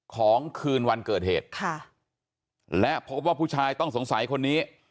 คืนวันเกิดเหตุค่ะและพบว่าผู้ชายต้องสงสัยคนนี้